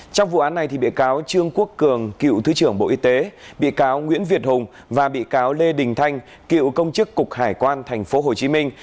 trong vụ án này bị cáo trương quốc cường cựu thứ trưởng bộ y tế bị cáo nguyễn việt hùng và bị cáo lê đình thanh cựu công chức cục hải quan thành phố hồ chí minh